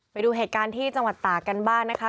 ไปดูเหตุการณ์ที่จังหวัดตากันบ้างนะคะ